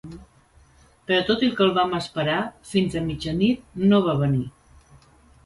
Però tot i que el vam esperar fins a mitjanit, no va venir.